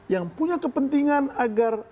yang punya kepentingan agar